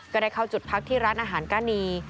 ก็ได้เข้าจุดพักที่ร้านอาหารก้านี